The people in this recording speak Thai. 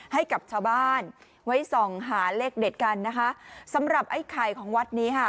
ให้กับชาวบ้านไว้ส่องหาเลขเด็ดกันนะคะสำหรับไอ้ไข่ของวัดนี้ค่ะ